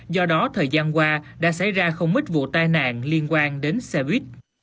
do đó thời gian qua đã xảy ra không ít vụ tai nạn liên quan đến xe buýt